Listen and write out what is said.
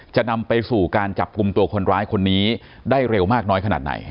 จะนำไปสู่การจับกลุ่มตัวคนร้ายคนนี้ได้เร็วมากน้อยขนาดไหน